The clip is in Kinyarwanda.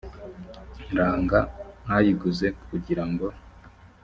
ranga a ayiguze kugira ngo